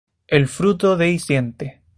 El fruto dehiscente.